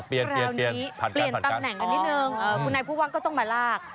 คราวนี้เปลี่ยนตำแหน่งกันนิดนึงคุณนายผู้ว่าก็ต้องมาลาก